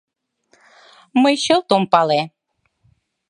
— Мый чылт ом пале!